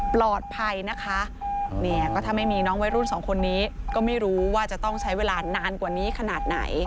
ปลอดภัยนะคะเนี่ยก็ถ้าไม่มีน้องวัยรุ่นสองคนนี้ก็ไม่รู้ว่าจะต้องใช้เวลานานกว่านี้ขนาดไหน